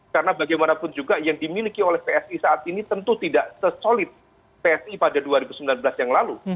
karena bagaimanapun juga yang dimiliki oleh psi saat ini tentu tidak sesolid psi pada dua ribu sembilan belas yang lalu